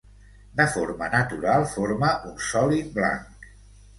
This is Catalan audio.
De forma natural forma un sòlid blanc.